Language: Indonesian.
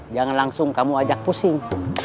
jangan langsung kamu ajak pusing